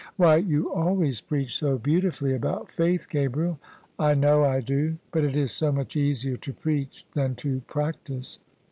Why, you always preach so beautifully about faith, Gabriel! "" I know I do: but it is so much easier to preach than to practise."